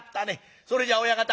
それじゃあ親方